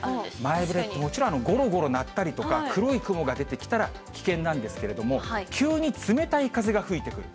前触れって、もちろん、ごろごろ鳴ったりとか、黒い雲が出てきたら危険なんですけれども、急に冷たい風が吹いてくる。